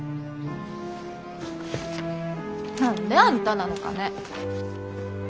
何であんたなのかね。